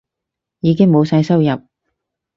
已經冇晒收入